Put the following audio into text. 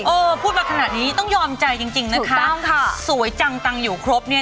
เออพูดมาขนาดนี้ต้องยอมใจจริงนะคะสวยจังตังอยู่ครบเนี่ย